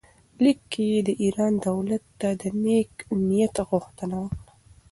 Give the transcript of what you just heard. لیک کې یې د ایران دولت ته د نېک نیت غوښتنه وکړه.